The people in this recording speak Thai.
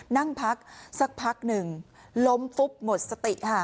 นั่งพักสักพักหนึ่งล้มฟุบหมดสติค่ะ